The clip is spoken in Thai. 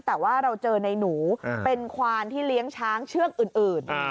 แต่ว่าเราเจอในหนูเป็นควานที่เลี้ยงช้างเชือกอื่น